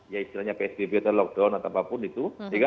ya istilahnya psbb atau lockdown atau apapun itu